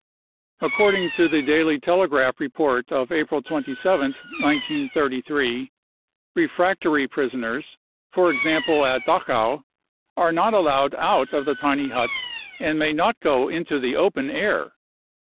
According to the Daily Telegraph report of April 27th, 1933, refractory prisoners, for example at Dachau, are not allowed out of the tiny huts and may not go into the open air.